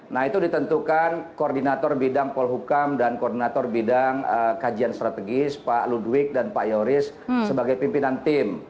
nah itu ditentukan koordinator bidang polhukam dan koordinator bidang kajian strategis pak ludwig dan pak yoris sebagai pimpinan tim